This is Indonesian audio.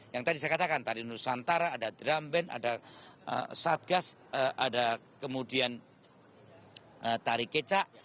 yang tadi saya katakan tari nusantara ada drum band ada satgas ada kemudian tari kecak